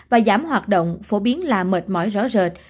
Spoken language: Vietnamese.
và giảm hoạt động phổ biến là mệt mỏi rõ rệt